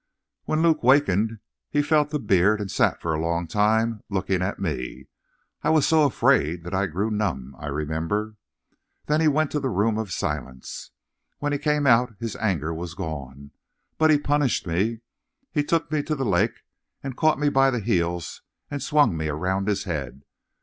"When Luke wakened he felt the beard and sat for a long time looking at me. I was so afraid that I grew numb, I remember. Then he went to the Room of Silence. When he came out his anger was gone, but he punished me. He took me to the lake and caught me by the heels and swung me around his head.